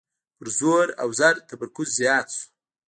پر زور او زر تمرکز زیات شو.